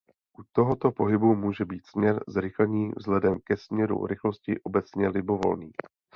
U tohoto pohybu může být směr zrychlení vzhledem ke směru rychlosti obecně libovolný.